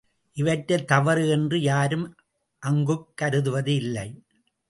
இவற்றைத் தவறு என்று யாரும் அங்குக் கருதுவது இல்லை.